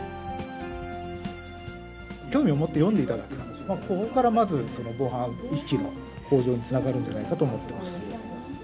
興味を持って読んでいただく、ここからまず、防犯意識の向上につながるんじゃないかと思ってます。